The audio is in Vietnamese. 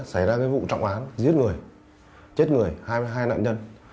xảy ra cái vụ trọng án giết người chết người hai nạn nhân